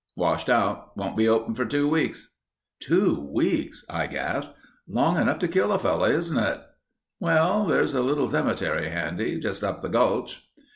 "Washed out. Won't be open for two weeks." "Two weeks?" I gasped. "Long enough to kill a fellow, isn't it?" "Well, there's a little cemetery handy. Just up the gulch."